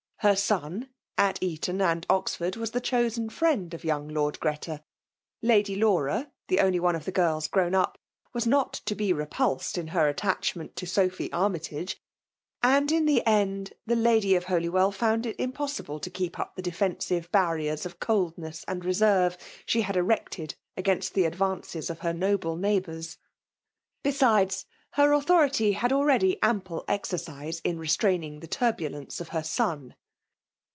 Her son, at Eton and Oxford, wa9 the chosen friend of yonng Lord Greta; Lady Laura, the only one of the girls grown up, was not to be repulsed in her attachment to Sophy Armytage, and in the end> the Lady of Holywell found it impossible to keep up th^ defensive barriers of coldness and reserve she had erected against the advances of her noble neighbours. Besides, her authority had already ample exercise in restraining the turbulence of her son.